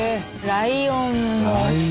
ライオン。